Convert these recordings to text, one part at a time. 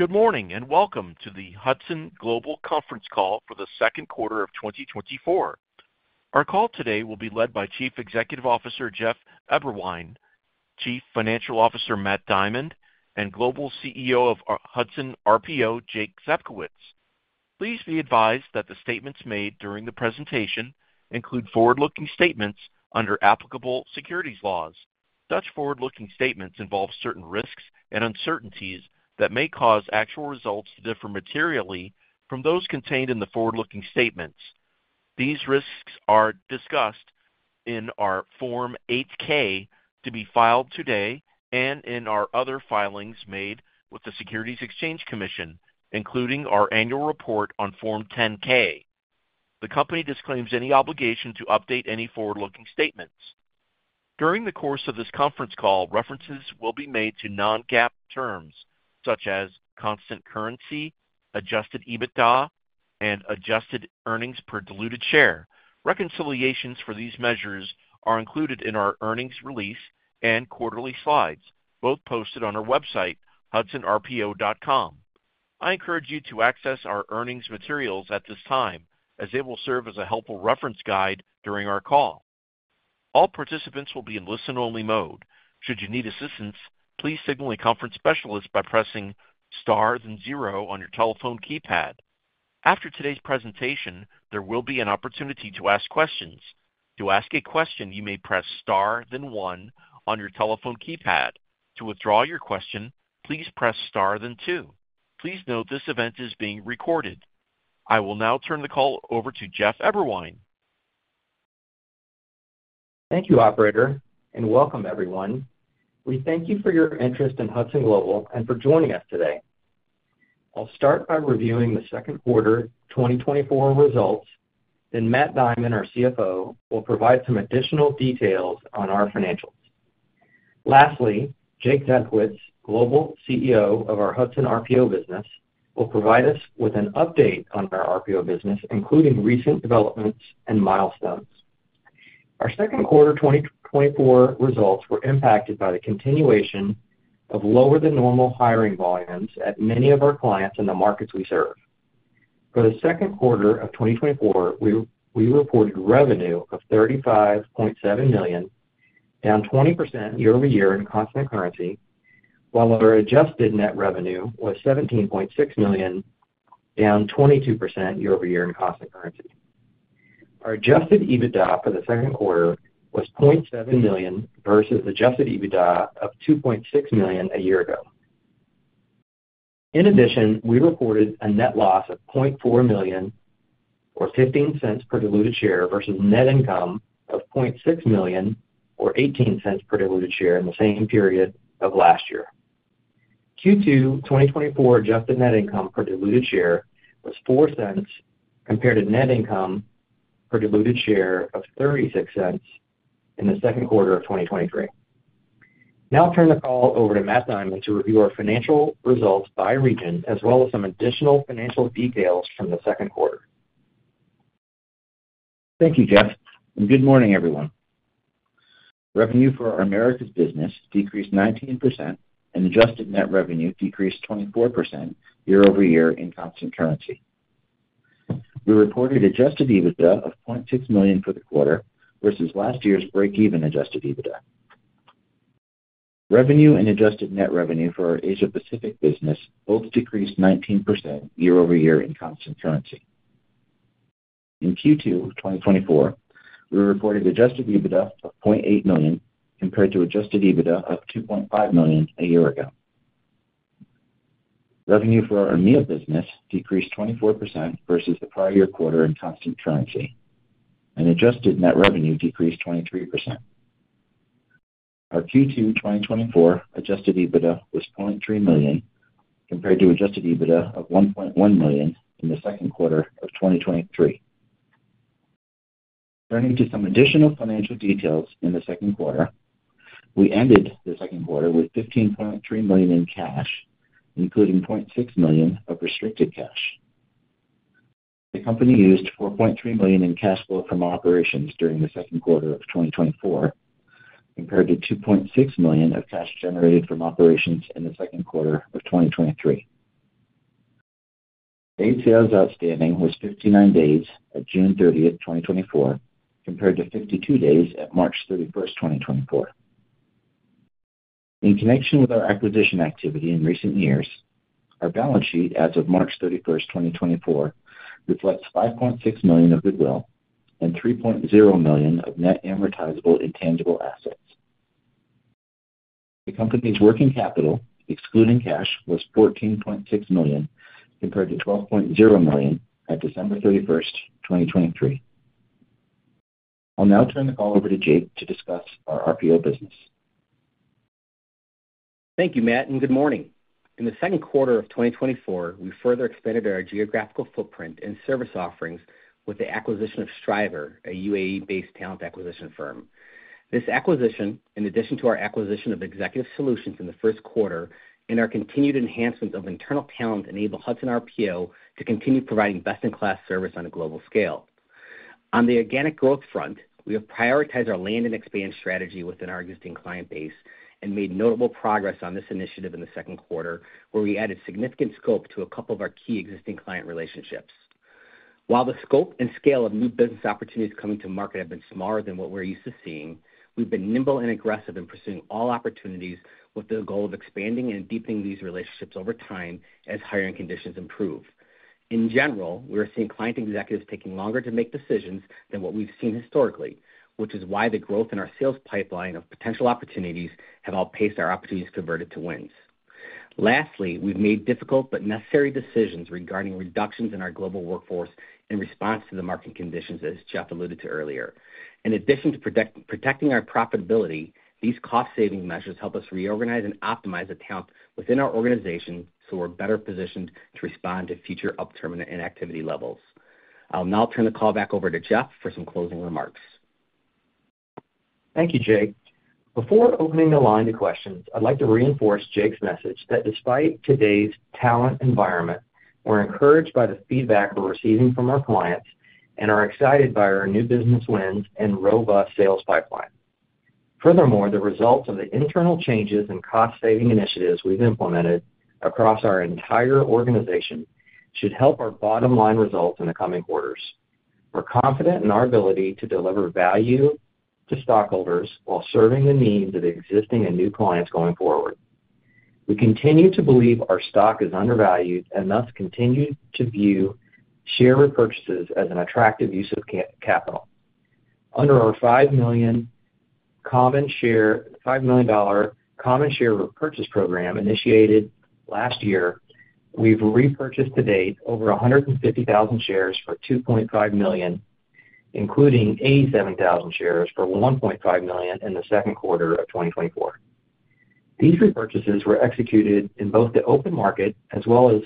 Good morning and welcome to the Hudson Global Conference Call for the Second Quarter of 2024. Our call today will be led by Chief Executive Officer Jeff Eberwein, Chief Financial Officer Matt Diamond, and Global CEO of Hudson RPO, Jake Zabkowicz. Please be advised that the statements made during the presentation include forward-looking statements under applicable securities laws. Such forward-looking statements involve certain risks and uncertainties that may cause actual results to differ materially from those contained in the forward-looking statements. These risks are discussed in our Form 8-K to be filed today and in our other filings made with the Securities and Exchange Commission, including our annual report on Form 10-K. The company disclaims any obligation to update any forward-looking statements. During the course of this conference call, references will be made to non-GAAP terms such as constant currency, Adjusted EBITDA, and adjusted earnings per diluted share. Reconciliations for these measures are included in our earnings release and quarterly slides, both posted on our website, hudsonrpo.com. I encourage you to access our earnings materials at this time, as they will serve as a helpful reference guide during our call. All participants will be in listen-only mode. Should you need assistance, please signal a conference specialist by pressing star then zero on your telephone keypad. After today's presentation, there will be an opportunity to ask questions. To ask a question, you may press star then one on your telephone keypad. To withdraw your question, please press star then two. Please note this event is being recorded. I will now turn the call over to Jeff Eberwein. Thank you, Operator, and welcome, everyone. We thank you for your interest in Hudson Global and for joining us today. I'll start by reviewing the second quarter 2024 results, then Matt Diamond, our CFO, will provide some additional details on our financials. Lastly, Jake Zabkowicz, Global CEO of our Hudson RPO business, will provide us with an update on our RPO business, including recent developments and milestones. Our second quarter 2024 results were impacted by the continuation of lower-than-normal hiring volumes at many of our clients in the markets we serve. For the second quarter of 2024, we reported revenue of $35.7 million, down 20% year-over-year in constant currency, while our adjusted net revenue was $17.6 million, down 22% year-over-year in constant currency. Our Adjusted EBITDA for the second quarter was $0.7 million versus Adjusted EBITDA of $2.6 million a year ago. In addition, we reported a net loss of $0.4 million or $0.15 per diluted share versus net income of $0.6 million or $0.18 per diluted share in the same period of last year. Q2 2024 adjusted net income per diluted share was $0.04 compared to net income per diluted share of $0.36 in the second quarter of 2023. Now I'll turn the call over to Matt Diamond to review our financial results by region, as well as some additional financial details from the second quarter. Thank you, Jeff. Good morning, everyone. Revenue for our Americas business decreased 19%, and adjusted net revenue decreased 24% year-over-year in constant currency. We reported Adjusted EBITDA of $0.6 million for the quarter versus last year's break-even Adjusted EBITDA. Revenue and adjusted net revenue for our Asia-Pacific business both decreased 19% year-over-year in constant currency. In Q2 2024, we reported Adjusted EBITDA of $0.8 million compared to Adjusted EBITDA of $2.5 million a year ago. Revenue for our EMEA business decreased 24% versus the prior year quarter in constant currency, and adjusted net revenue decreased 23%. Our Q2 2024 Adjusted EBITDA was $0.3 million compared to Adjusted EBITDA of $1.1 million in the second quarter of 2023. Turning to some additional financial details in the second quarter, we ended the second quarter with $15.3 million in cash, including $0.6 million of restricted cash. The company used $4.3 million in cash flow from operations during the second quarter of 2024, compared to $2.6 million of cash generated from operations in the second quarter of 2023. DSO's outstanding was 59 days at June 30, 2024, compared to 52 days at March 31, 2024. In connection with our acquisition activity in recent years, our balance sheet as of March 31, 2024, reflects $5.6 million of goodwill and $3.0 million of net amortizable intangible assets. The company's working capital, excluding cash, was $14.6 million compared to $12.0 million at December 31, 2023. I'll now turn the call over to Jake to discuss our RPO business. Thank you, Matt, and good morning. In the second quarter of 2024, we further expanded our geographical footprint and service offerings with the acquisition of Striver, a UAE-based talent acquisition firm. This acquisition, in addition to our acquisition of Executive Solutions in the first quarter, and our continued enhancement of internal talent, enabled Hudson RPO to continue providing best-in-class service on a global scale. On the organic growth front, we have prioritized our land and expand strategy within our existing client base and made notable progress on this initiative in the second quarter, where we added significant scope to a couple of our key existing client relationships. While the scope and scale of new business opportunities coming to market have been smaller than what we're used to seeing, we've been nimble and aggressive in pursuing all opportunities with the goal of expanding and deepening these relationships over time as hiring conditions improve. In general, we are seeing client executives taking longer to make decisions than what we've seen historically, which is why the growth in our sales pipeline of potential opportunities has outpaced our opportunities converted to wins. Lastly, we've made difficult but necessary decisions regarding reductions in our global workforce in response to the market conditions, as Jeff alluded to earlier. In addition to protecting our profitability, these cost-saving measures help us reorganize and optimize accounts within our organization so we're better positioned to respond to future upturn in activity levels. I'll now turn the call back over to Jeff for some closing remarks. Thank you, Jake. Before opening the line to questions, I'd like to reinforce Jake's message that despite today's talent environment, we're encouraged by the feedback we're receiving from our clients and are excited by our new business wins and robust sales pipeline. Furthermore, the results of the internal changes and cost-saving initiatives we've implemented across our entire organization should help our bottom-line results in the coming quarters. We're confident in our ability to deliver value to stockholders while serving the needs of existing and new clients going forward. We continue to believe our stock is undervalued and thus continue to view share repurchases as an attractive use of capital. Under our $5 million common share purchase program initiated last year, we've repurchased to date over 150,000 shares for $2.5 million, including 87,000 shares for $1.5 million in the second quarter of 2024. These repurchases were executed in both the open market as well as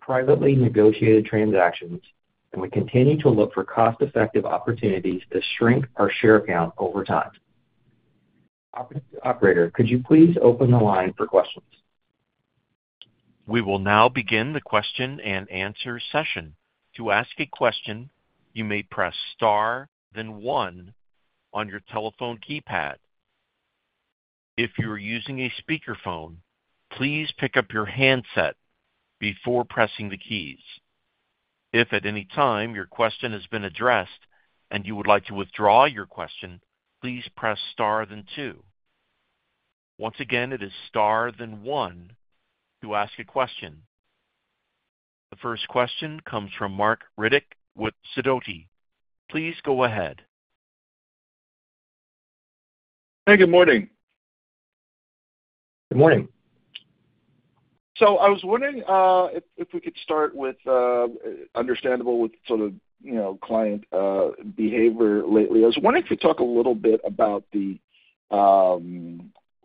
privately negotiated transactions, and we continue to look for cost-effective opportunities to shrink our share count over time. Operator, could you please open the line for questions? We will now begin the question-and-answer session. To ask a question, you may press star then one on your telephone keypad. If you are using a speakerphone, please pick up your handset before pressing the keys. If at any time your question has been addressed and you would like to withdraw your question, please press star then two. Once again, it is star then one to ask a question. The first question comes from Marc Riddick with Sidoti. Please go ahead. Hey, good morning. Good morning. I was wondering if we could start with understanding sort of client behavior lately. I was wondering if you could talk a little bit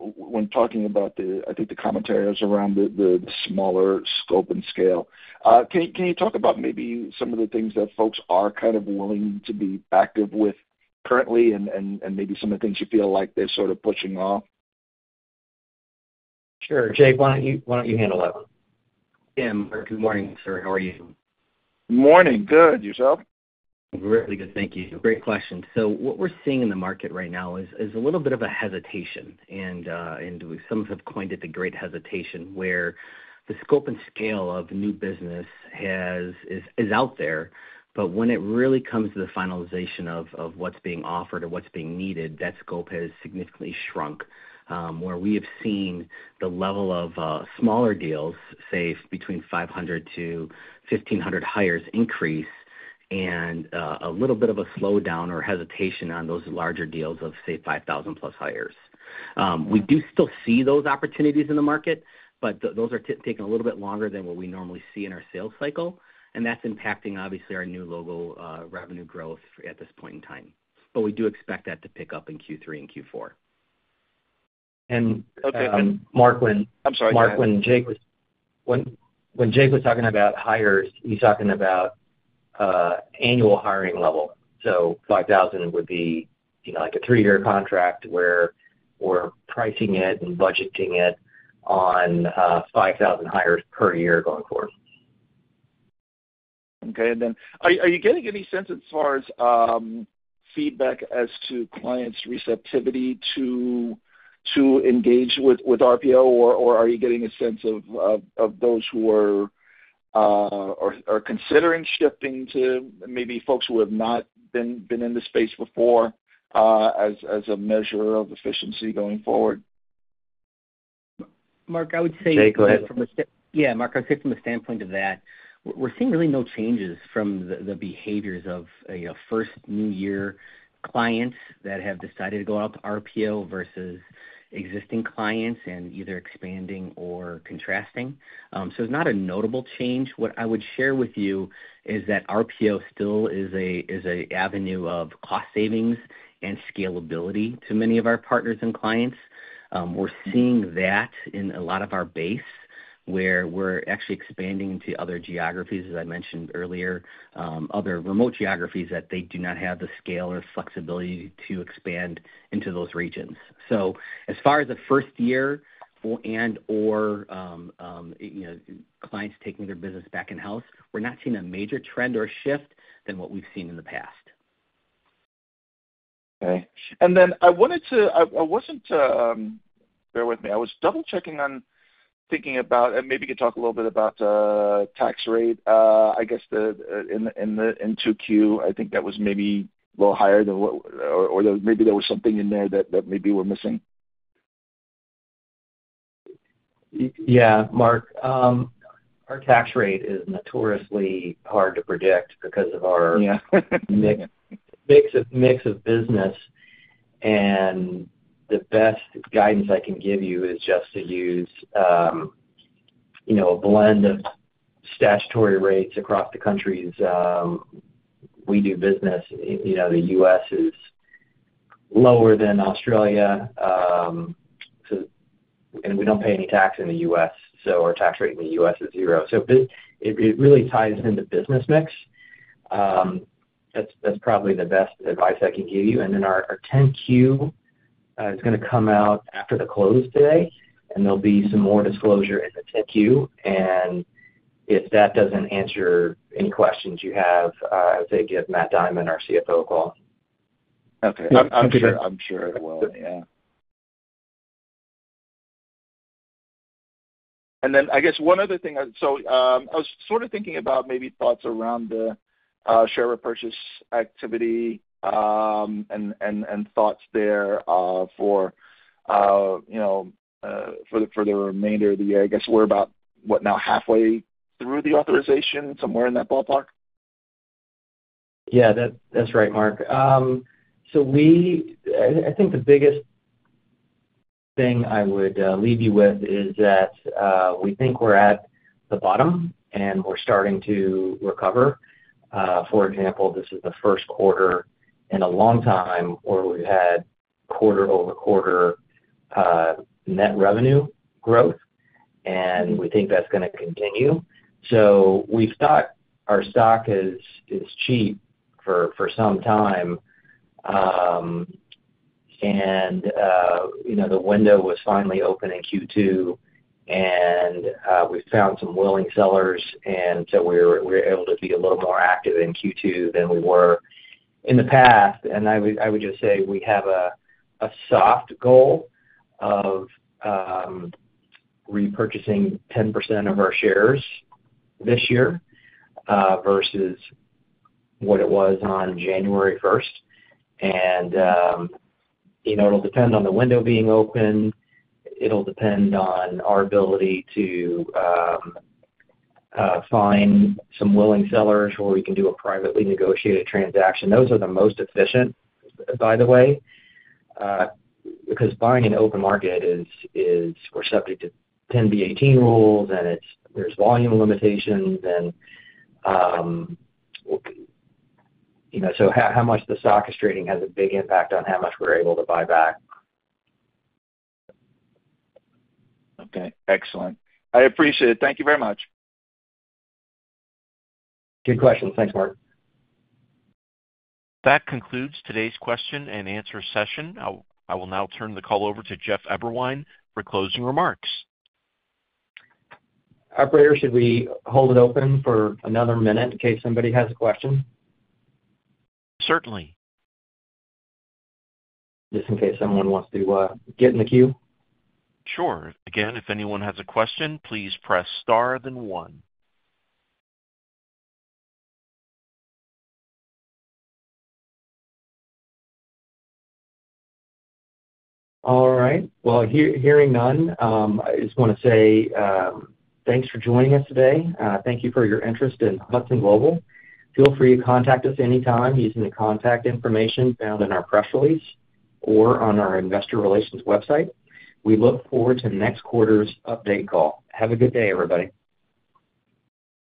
about, I think, the commentaries around the smaller scope and scale. Can you talk about maybe some of the things that folks are kind of willing to be active with currently and maybe some of the things you feel like they're sort of pushing off? Sure. Jake, why don't you handle that one? Yeah, good morning, sir. How are you? Morning. Good. Yourself? I'm really good. Thank you. Great question. So what we're seeing in the market right now is a little bit of a hesitation, and some have coined it the great hesitation, where the scope and scale of new business is out there. But when it really comes to the finalization of what's being offered or what's being needed, that scope has significantly shrunk, where we have seen the level of smaller deals, say, between 500-1,500 hires increase and a little bit of a slowdown or hesitation on those larger deals of, say, 5,000+ hires. We do still see those opportunities in the market, but those are taking a little bit longer than what we normally see in our sales cycle, and that's impacting, obviously, our new logo revenue growth at this point in time. But we do expect that to pick up in Q3 and Q4. And. Okay. Mark, when Jake was. When Jake was talking about hires, he's talking about annual hiring level. So, 5,000 would be like a three-year contract where we're pricing it and budgeting it on 5,000 hires per year going forward. Okay. And then are you getting any sense as far as feedback as to clients' receptivity to engage with RPO, or are you getting a sense of those who are considering shifting to maybe folks who have not been in the space before as a measure of efficiency going forward? Mark, I would say. Jake, go ahead. Yeah, Mark, I would say from the standpoint of that, we're seeing really no changes from the behaviors of first new-year clients that have decided to go out to RPO versus existing clients and either expanding or contrasting. So it's not a notable change. What I would share with you is that RPO still is an avenue of cost savings and scalability to many of our partners and clients. We're seeing that in a lot of our base where we're actually expanding into other geographies, as I mentioned earlier, other remote geographies that they do not have the scale or flexibility to expand into those regions. So as far as a first-year and/or clients taking their business back in-house, we're not seeing a major trend or shift than what we've seen in the past. Okay. And then I wanted to, bear with me, I was double-checking on thinking about, and maybe you could talk a little bit about tax rate. I guess in Q2, I think that was maybe a little higher than what, or maybe there was something in there that maybe we're missing. Yeah, Mark. Our tax rate is notoriously hard to predict because of our mix of business. The best guidance I can give you is just to use a blend of statutory rates across the countries we do business. The U.S. is lower than Australia, and we don't pay any tax in the U.S., so our tax rate in the U.S. is zero. It really ties into business mix. That's probably the best advice I can give you. Then our 10-Q is going to come out after the close today, and there'll be some more disclosure in the 10-Q. If that doesn't answer any questions you have, I would say give Matt Diamond, our CFO, a call. Okay. I'm sure it will. Yeah. And then I guess one other thing—so I was sort of thinking about maybe thoughts around the share repurchase activity and thoughts there for the remainder of the year. I guess we're about, what, now halfway through the authorization, somewhere in that ballpark? Yeah, that's right, Mark. So I think the biggest thing I would leave you with is that we think we're at the bottom and we're starting to recover. For example, this is the first quarter in a long time where we've had quarter-over-quarter net revenue growth, and we think that's going to continue. So we've thought our stock is cheap for some time, and the window was finally open in Q2, and we found some willing sellers. And so we were able to be a little more active in Q2 than we were in the past. And I would just say we have a soft goal of repurchasing 10% of our shares this year versus what it was on January 1st. And it'll depend on the window being open. It'll depend on our ability to find some willing sellers where we can do a privately negotiated transaction. Those are the most efficient, by the way, because buying in open market is, we're subject to 10b-18 rules, and there's volume limitations. And so how much the stock is trading has a big impact on how much we're able to buy back. Okay. Excellent. I appreciate it. Thank you very much. Good questions. Thanks, Marc. That concludes today's question-and-answer session. I will now turn the call over to Jeff Eberwein for closing remarks. Operator, should we hold it open for another minute in case somebody has a question? Certainly. Just in case someone wants to get in the queue. Sure. Again, if anyone has a question, please press star then one. All right. Well, hearing none, I just want to say thanks for joining us today. Thank you for your interest in Hudson Global. Feel free to contact us anytime using the contact information found in our press release or on our investor relations website. We look forward to next quarter's update call. Have a good day, everybody.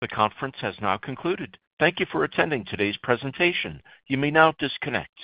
The conference has now concluded. Thank you for attending today's presentation. You may now disconnect.